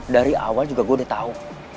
dari awal juga gue udah tau